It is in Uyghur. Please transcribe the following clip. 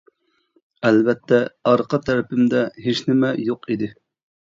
ئەلۋەتتە، ئارقا تەرىپىمدە ھېچنېمە يوق ئىدى.